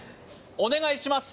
お願いします